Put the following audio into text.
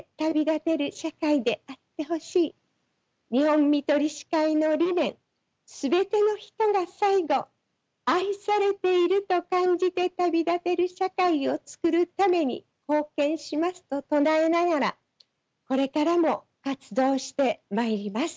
日本看取り士会の理念全ての人が最期愛されていると感じて旅立てる社会を創るために貢献しますと唱えながらこれからも活動してまいります。